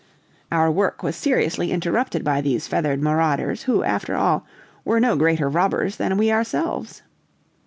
Our work was seriously interrupted by these feathered marauders, who, after all, were no greater robbers than we ourselves.